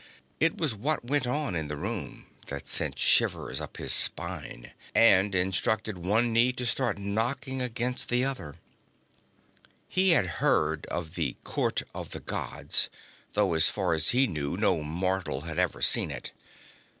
It was what went on in the room that sent shivers up his spine, and instructed one knee to start knocking against other one. He had heard of the Court of the Gods, though as far as he knew no mortal had ever seen it.